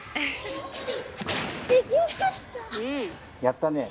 やったね。